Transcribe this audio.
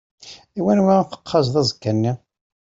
I wanwa teqqazeḍ aẓekka-nni?